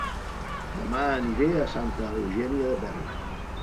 Dema aniré a Santa Eugènia de Berga